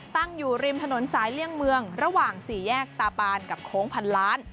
ตั้งอยู่ริมถนนสายเลี่ยงเมืองระหว่างสี่แยกตาปานกับโค้งพันล้าน